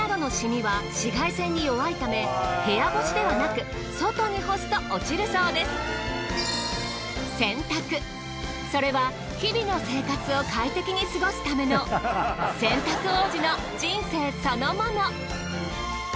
ちなみに洗濯それは日々の生活を快適に過ごすための洗濯王子の人生そのもの。